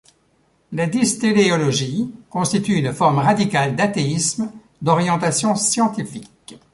La dystéléologie constitue une forme radicale d'athéisme d'orientation scientifique.